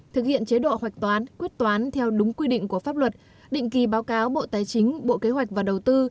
thực hiện chế độ hạch toán quyết toán theo đúng quy định của pháp luật định kỳ báo cáo bộ tài chính bộ kế hoạch và đầu tư